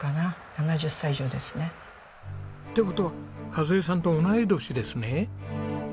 ７０歳以上ですね。って事は和枝さんと同い年ですね。